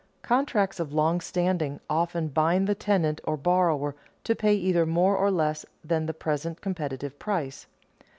Contracts of long standing often bind the tenant or borrower to pay either more or less than the present competitive price.